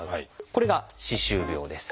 これが歯周病です。